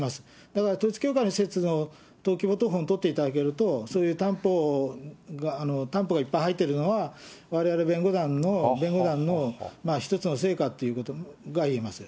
ただ統一教会の施設の登記簿謄本とっていただけると、そういう担保がいっぱい入ってるのは、われわれ弁護団の１つの成果ということがいえます。